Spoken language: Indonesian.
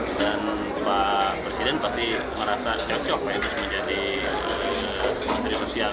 pak idrus memang memiliki kemampuan dan pak presiden pasti merasa cocok pak idrus menjadi menteri sosial